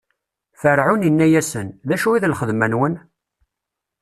Ferɛun inna-yasen: D acu i d lxedma-nwen?